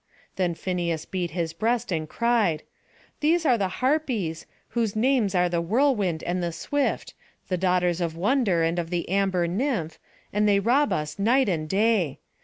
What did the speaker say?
Then Phineus beat his breast and cried, "These are the Harpies, whose names are the Whirlwind and the Swift, the daughters of Wonder and of the Amber nymph, and they rob us night and day.